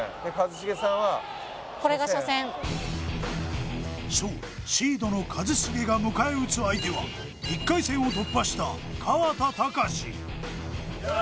これが初戦そうシードの一茂が迎え撃つ相手は１回戦を突破した河田隆